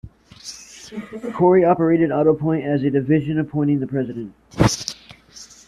Cory operated Autopoint as a division appointing the president.